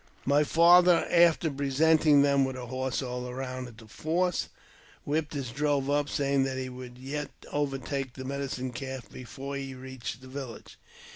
My father, after presenting them with a horse all round at the fort, whipped his drove up, saying that he would yet over take the Medicine Calf before he reached the village.